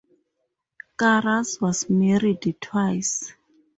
Karras was married twice.